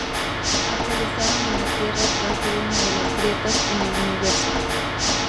Aterrizaron en la Tierra tras ver una de las grietas en el universo.